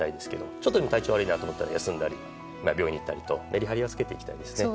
ちょっとでも体調悪いと思ったら休んだり病院に行ったりとメリハリをつけたいですね。